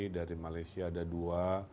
dari malaysia ada dua